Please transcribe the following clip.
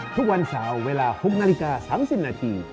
ทุกวันเสาร์เวลา๖นาฬิกา๓๐นาที